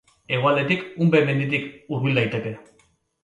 Hegoaldetik Unbe menditik hurbil daiteke.